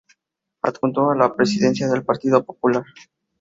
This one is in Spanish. Adjunto a la Presidencia del Partido Popular.